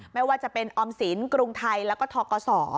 ไม่ว่าจะเป็นออมสินกรุงไทยแล้วก็ทกศ